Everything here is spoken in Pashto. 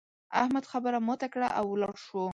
احمد خبره ماته کړه او ولاړ شو.